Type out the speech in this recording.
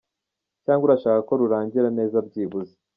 Cyangwa urashaka ko rurangira neza byibuze?